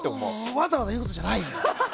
わざわざ言うことじゃないよ！